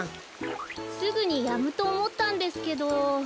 すぐにやむとおもったんですけど。